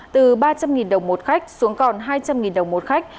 từ ba trăm linh đồng một khách xuống còn hai trăm linh đồng một khách